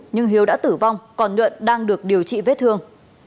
nhưng hiếu đã tử vong còn nhuận đang được điều trị vết thương